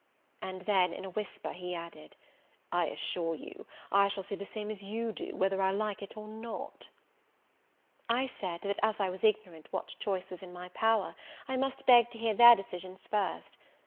and then, in a whisper, he added, "I assure you, I shall say the same as you do, whether I like it or not." I said, that as I was ignorant what choice was in my power, I must beg to hear their decisions first.